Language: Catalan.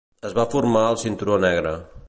Es va formar el cinturó negre.